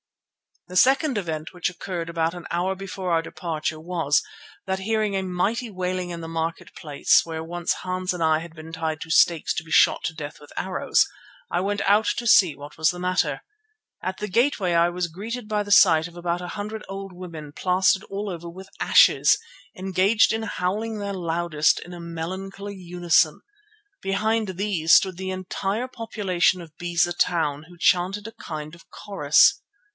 The second event, which occurred about an hour before our departure, was, that hearing a mighty wailing in the market place where once Hans and I had been tied to stakes to be shot to death with arrows, I went out to see what was the matter. At the gateway I was greeted by the sight of about a hundred old women plastered all over with ashes, engaged in howling their loudest in a melancholy unison. Behind these stood the entire population of Beza Town, who chanted a kind of chorus.